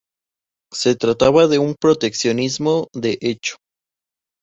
Se trataba de un proteccionismo de hecho.